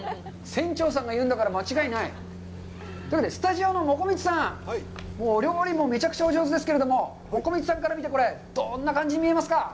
船長さんが言うんだから、間違いない。というわけで、スタジオのもこみちさん、料理もめちゃくちゃお上手ですけれども、もこみちさんから見て、これ、どんな感じに見えますか。